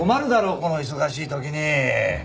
この忙しい時に。